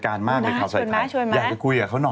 คุยเรื่องอะไรดีคะคุณ